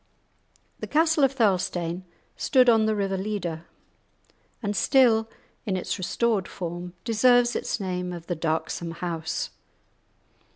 The castle of Thirlestane stood on the river Leader, and still, in its restored form, deserves its name of "the darksome house."